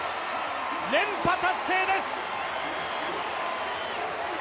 連覇達成です。